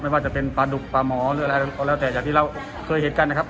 ว่าจะเป็นปลาดุกปลาหมอหรืออะไรก็แล้วแต่จากที่เราเคยเห็นกันนะครับ